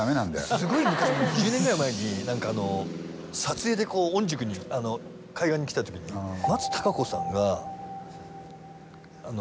すごい昔もう２０年ぐらい前に撮影で御宿に海岸に来たときに松たか子さんが。